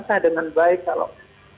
dibantah dengan baik kalau